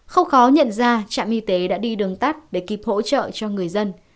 không khó nhận ra trạm y tế đã đi đường tắt để kịp hỗ trợ cho người dân